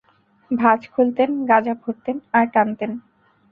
ভাঁজ খুলতেন, গাঁজা ভরতেন আর টানতেন।